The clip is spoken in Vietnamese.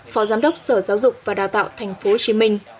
phó giám đốc sở giáo dục và đào tạo thành phố hồ chí minh